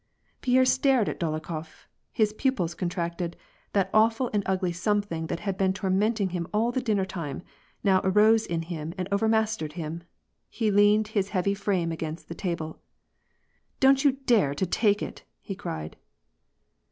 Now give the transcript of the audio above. Pierre stared at Dolokhof ; his pupils contracted ; that awful and ugly something that had been tormenting him all the dinner time, now arose in him and overmastered him. He leaned his heavy frame across the table. " Don't you dare to take it !" he cried.